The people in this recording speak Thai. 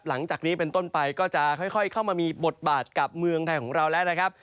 หลังจากนี้เป็นต้นไปก็จะค่อยเข้ามามีบทบาทกับเมืองไทยของเราแล้วนะครับ